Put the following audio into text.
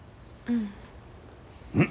うん。